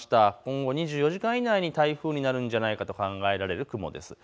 今後２４時間以内に台風になるんじゃないかと考えられる雲です。